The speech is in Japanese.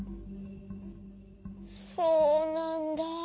そうなんだ。